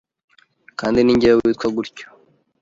kandi ni jyewe witwa gutyo,